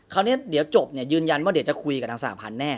คราวนี้เดี๋ยวจบยืนยันว่าเดี๋ยวจะคุยกับทางสหพันธ์แน่